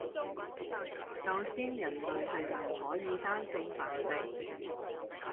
首先人類係唔可以單性繁殖